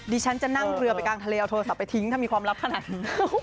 ดิฉันจะนั่งเรือไปกลางทะเลเอาโทรศัพท์ไปทิ้งถ้ามีความลับขนาดนี้